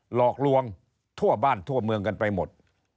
หลอกลวงทั่วบ้านทั่วเมืองกันไปหมด